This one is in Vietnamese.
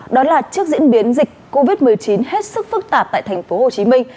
đó là trước diễn biến dịch covid một mươi chín hết sức phức tạp tại thành phố hồ chí minh